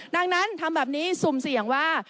ดังนั้นทำแบบนี้สุ่มเสี่ยงว่า